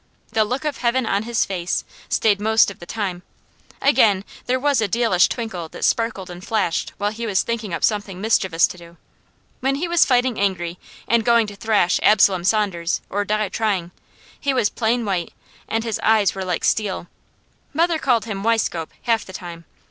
"The look of heaven on his face" stayed most of the time; again, there was a dealish twinkle that sparkled and flashed while he was thinking up something mischievous to do. When he was fighting angry, and going to thrash Absalom Saunders or die trying, he was plain white and his eyes were like steel. Mother called him "Weiscope," half the time.